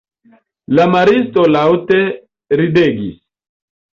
La maristo laŭte ridegis.